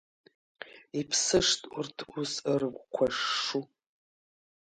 Иԥсышт урҭ ус, рыгәқәа шшу.